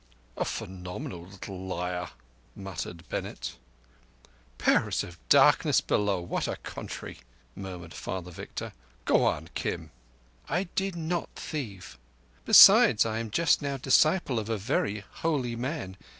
"A phenomenal little liar," muttered Bennett. "Powers of Darkness below, what a country!" murmured Father Victor. "Go on, Kim." "I did not thieve. Besides, I am just now disciple of a very holy man.